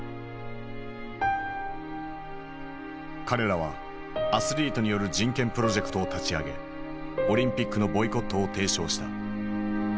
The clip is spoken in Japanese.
彼らはアスリートによる人権プロジェクトを立ち上げオリンピックのボイコットを提唱した。